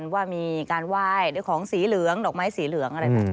ว่ามีการไหว้ด้วยของสีเหลืองดอกไม้สีเหลืองอะไรแบบนี้